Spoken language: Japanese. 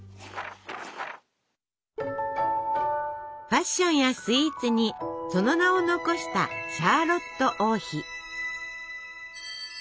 ファッションやスイーツにその名を残したシャーロット王妃。